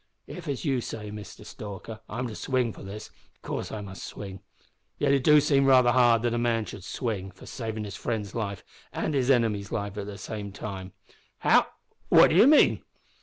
If, as you say, Mister Stalker, I'm to swing for this, of course I must swing. Yet it do seem raither hard that a man should swing for savin' his friend's life an' his enemy's at the same time." "How what do you mean?"